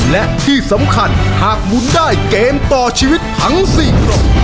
และที่สำคัญหากหมุนได้เกมต่อชีวิตทั้ง๔กล่อง